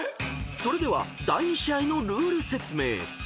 ［それでは第２試合のルール説明］